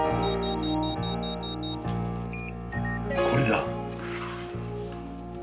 これだ。